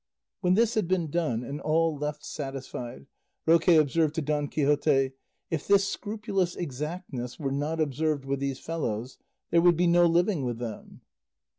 When this had been done, and all left satisfied, Roque observed to Don Quixote, "If this scrupulous exactness were not observed with these fellows there would be no living with them."